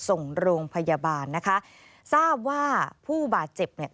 ส่งโรงพยาบาลนะคะทราบว่าผู้บาดเจ็บเนี่ย